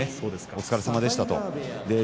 お疲れさまでしたと。